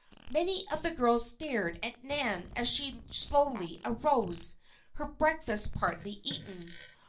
Many of the girls stared at Nan as she slowly arose, her breakfast partly eaten.